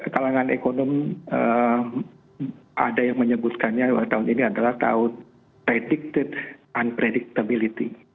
kalangan ekonomi ada yang menyebutkannya tahun ini adalah tahun predicted unpredictability